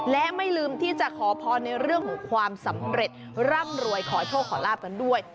และไม่ลืมที่จะขอพรในเรื่องของความสำเร็จร่ำรวยขอโชคขอลาบกันด้วย